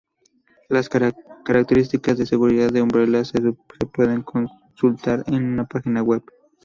Las características de seguridad de Umbrella se pueden consultar en su página web.